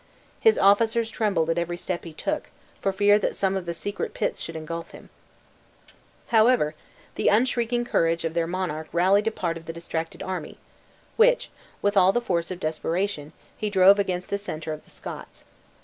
His officers trembled at every step he took, for fear that some of the secret pits should ingulf him. However, the unshrinking courage of their monarch rallied a part of the distracted army, which, with all the force of desperation, he drove against the center of the Scots.